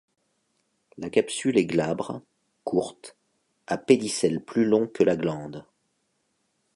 La capsule est glabre, courte, à pédicelle plus long que la glande.